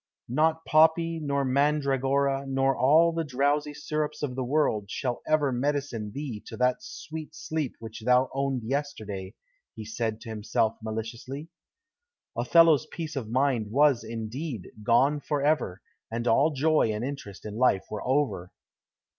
"Not poppy, nor mandragora, nor all the drowsy syrups of the world, shall ever medicine thee to that sweet sleep which thou owned yesterday," he said to himself maliciously. Othello's peace of mind was, indeed, gone for ever, and all joy and interest in life were over.